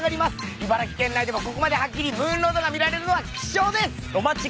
茨城県内でもここまではっきりムーンロードが見られるのは希少です！